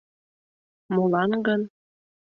Молан гын?